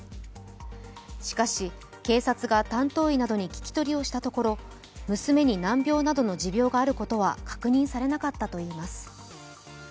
しかし警察が担当医などに聞き取りをしたところ娘に難病などの持病があることは確認されなかったといいます。